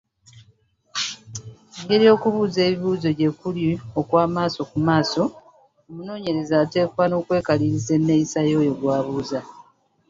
Engeri okubuuza ebibuuzo gye kuli okw’amaaso ku maaso, omunoonyereza ateekwa n’okwekaliriza enneeyisa y’oyo gw’abuuza.